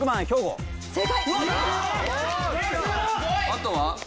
あとは？